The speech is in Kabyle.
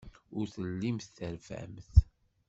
Ur tellimt terfamt.